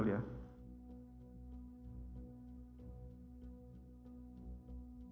ya kan cuma masalah itu saja kan